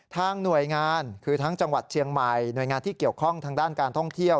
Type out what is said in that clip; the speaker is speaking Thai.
หน่วยงานคือทั้งจังหวัดเชียงใหม่หน่วยงานที่เกี่ยวข้องทางด้านการท่องเที่ยว